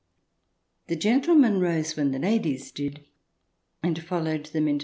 The gentlemen rose when the ladies did and followed them into the CH.